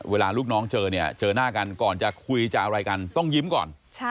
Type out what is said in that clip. เวลาลูกน้องเจอจังข้างก่อนมีการคุยพรุ่งก่อนต้องยิ้มก่อน